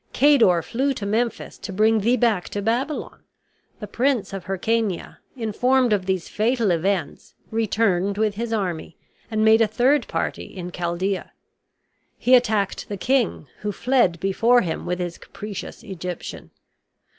Cador flew to Memphis to bring thee back to Babylon. The Prince of Hircania, informed of these fatal events, returned with his army and made a third party in Chaldea. He attacked the king, who fled before him with his capricious Egyptian.